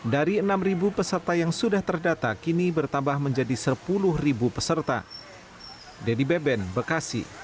dari enam peserta yang sudah terdata kini bertambah menjadi sepuluh peserta